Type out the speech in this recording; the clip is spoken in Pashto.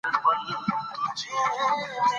ملالۍ به بیا لنډۍ ویلې وې.